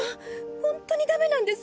ほんとにダメなんです